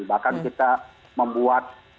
bahkan kita membuat